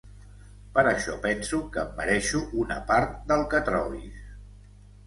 Per això penso que em mereixo una part del que trobis.